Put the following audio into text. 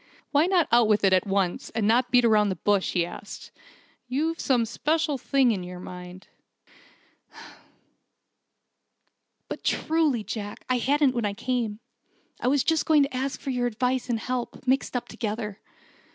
"Why not out with it at once, and not beat round the bush?" he asked. "You've some special thing in your mind " "I have," she cut him short. "But, truly, Jack, I hadn't when I came. I was just going to ask for your advice and help, mixed up together.